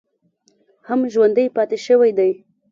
هم ژوندی پاتې شوی دی